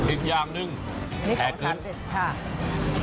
อีกย้ำหนึ่งแท้คืนนี่คือตัวชาติเป็ดค่ะ